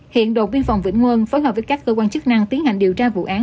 hiện đồn biên phòng vĩnh quân phối hợp với các cơ quan chức năng tiến hành điều tra vụ án